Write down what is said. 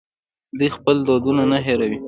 دوی خپل دودونه نه هیروي.